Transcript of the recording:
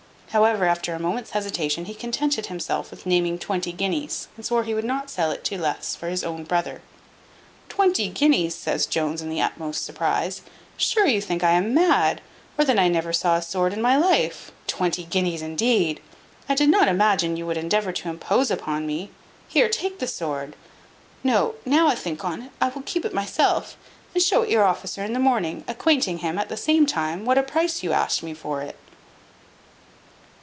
However, after a moment's hesitation, he contented himself with naming twenty guineas, and swore he would not sell it for less to his own brother. "Twenty guineas!" says Jones, in the utmost surprize: "sure you think I am mad, or that I never saw a sword in my life. Twenty guineas, indeed! I did not imagine you would endeavour to impose upon me. Here, take the sword No, now I think on't, I will keep it myself, and show it your officer in the morning, acquainting him, at the same time, what a price you asked me for it."